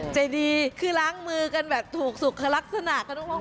ใจดีคือล้างมือกันแบบถูกสุขลักษณะ